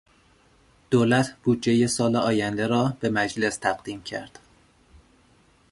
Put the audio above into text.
دولت بودجهی سال آینده را به مجلس تقدیم کرد.